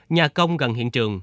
nhà công gần hiện trường